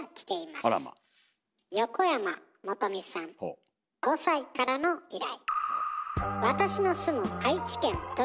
横山元美さん５歳からの依頼。